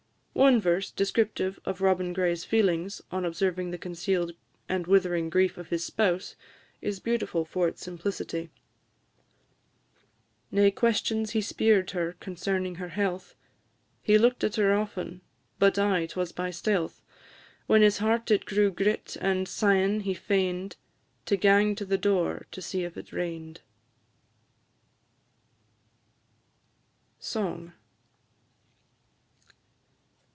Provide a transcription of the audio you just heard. One verse, descriptive of Robin Gray's feelings, on observing the concealed and withering grief of his spouse, is beautiful for its simplicity: "Nae questions he spier'd her concerning her health, He look'd at her often, but aye 'twas by stealth; When his heart it grew grit, and, sighin', he feign'd To gang to the door to see if it rain'd." SONG.